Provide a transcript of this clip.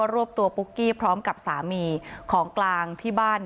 รวบตัวปุ๊กกี้พร้อมกับสามีของกลางที่บ้าน